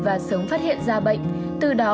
và sớm phát hiện ra bệnh từ đó